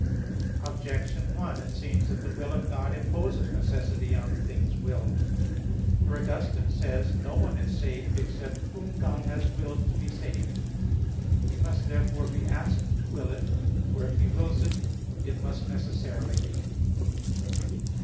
Objection 1: It seems that the will of God imposes necessity on the things willed. For Augustine says (Enchiridion 103): "No one is saved, except whom God has willed to be saved. He must therefore be asked to will it; for if He wills it, it must necessarily be."